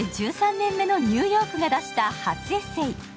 １３年目のニューヨークが出した初エッセー。